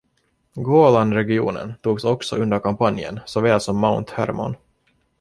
Golan-regionen togs också under kampanjen såväl som Mount Hermon.